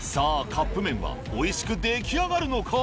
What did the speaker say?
カップ麺はおいしく出来上がるのか？